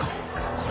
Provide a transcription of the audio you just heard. これ。